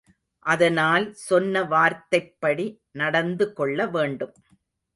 அதனால் சொன்ன வார்த்தைப் படி நடந்து கொள்ள வேண்டும்.